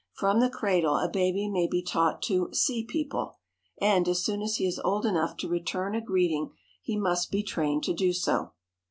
From the cradle a baby may be taught to "see people," and, as soon as he is old enough to return a greeting, he must be trained to do so.